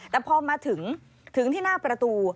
แต่พอมาถึงถึงที่หน้าประตู